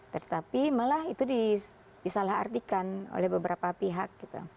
tetapi malah itu disalah artikan oleh beberapa pihak